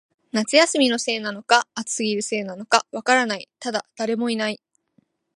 夏休みのせいなのか、暑すぎるせいなのか、わからない、ただ、誰もいない